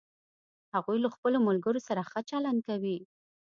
هغوی له خپلوملګرو سره ښه چلند کوي